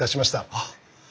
あっ。